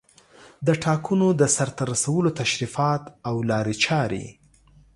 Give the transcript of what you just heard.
د ټاکنو د سرته رسولو تشریفات او لارې چارې